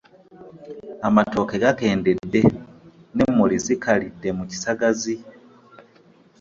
Amatooke gakendedde n'emmuli zikalidde mu kisagazi.